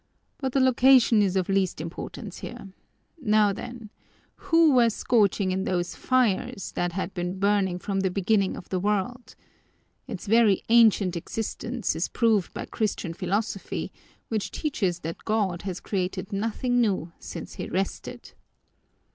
But the location is of least importance here. Now then, who were scorching in those fires that had been burning from the beginning of the world? Its very ancient existence is proved by Christian philosophy, which teaches that God has created nothing new since he rested."